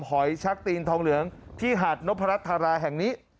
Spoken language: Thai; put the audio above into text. หอยชักตีนทองเหลืองที่หาดนพรัชธาราแห่งนี้